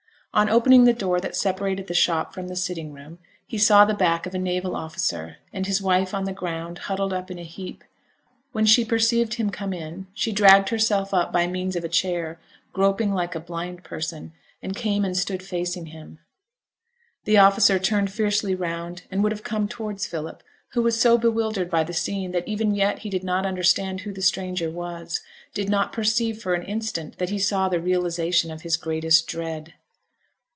On opening the door that separated the shop from the sitting room, he saw the back of a naval officer, and his wife on the ground, huddled up in a heap; when she perceived him come in, she dragged herself up by means of a chair, groping like a blind person, and came and stood facing him. The officer turned fiercely round, and would have come towards Philip, who was so bewildered by the scene that even yet he did not understand who the stranger was, did not perceive for an instant that he saw the realization of his greatest dread.